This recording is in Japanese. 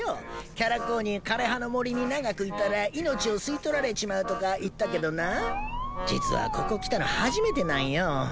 キャラ公に枯葉の森に長くいたら命を吸い取られちまうとか言ったけどなあ実はここ来たの初めてなんよ。